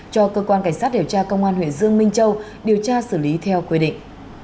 cho cơ quan cảnh sát điều tra công an huyện dương minh châu điều tra xử lý theo quy định